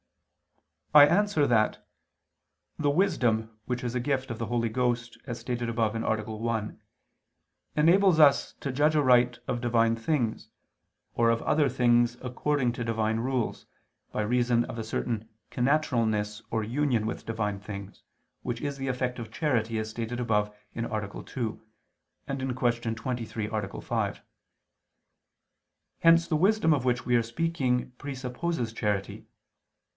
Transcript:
I answer that, The wisdom which is a gift of the Holy Ghost, as stated above (A. 1), enables us to judge aright of Divine things, or of other things according to Divine rules, by reason of a certain connaturalness or union with Divine things, which is the effect of charity, as stated above (A. 2; Q. 23, A. 5). Hence the wisdom of which we are speaking presupposes charity.